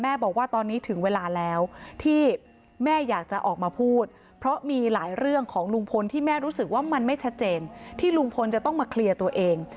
บอกว่าตอนนี้ถึงเวลาแล้วที่แม่อยากจะออกมาพูดเพราะมีหลายเรื่องของลุงพลที่แม่รู้สึกว่ามันไม่ชัดเจนที่ลุงพลจะต้องมาเคลียร์ตัวเอง